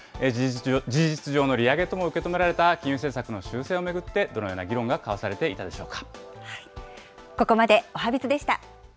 事実上の利上げとも受け止められた金融政策の修正を巡って、どのような議論が交わされていたのでしょうか。